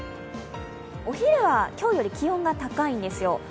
お昼は今日より気温が高いんですよ。